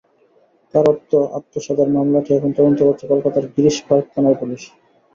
তাঁর অর্থ আত্মসাতের মামলাটি এখন তদন্ত করছে কলকাতার গিরিশ পার্ক থানার পুলিশ।